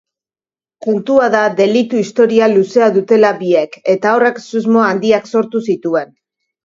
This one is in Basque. Kontua da delitu historial luzea dutela biek eta horrek susmo handiak sortu zituen.